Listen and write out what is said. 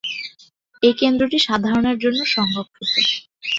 এই কেন্দ্রটি সাধারণ-এর জন্য সংরক্ষিত।